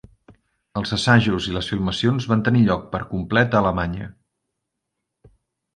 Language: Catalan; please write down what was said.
Els assajos i les filmacions van tenir lloc per complet a Alemanya.